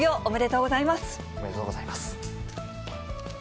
おめでとうございます。